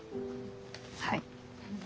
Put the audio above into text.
はい。